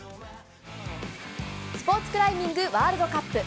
スポーツクライミングワールドカップ。